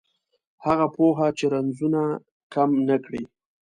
هغه پوهه چې رنځونه کم نه کړي